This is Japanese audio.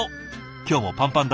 愛情もパンパンだ！